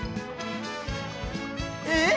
えっ？